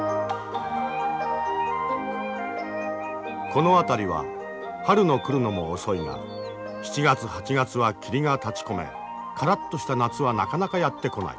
この辺りは春の来るのも遅いが７月８月は霧が立ちこめからっとした夏はなかなかやって来ない。